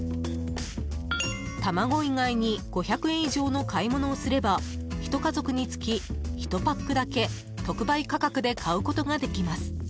卵以外に５００円以上の買い物をすれば、ひと家族につき１パックだけ特売価格で買うことができます。